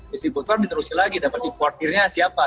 distributor diterusir lagi dapat importirnya siapa